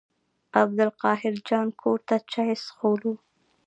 عبدالقاهر جان کور ته چای څښلو.